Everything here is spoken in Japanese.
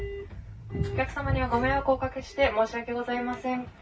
お客様にはご迷惑をおかけして申し訳ございません。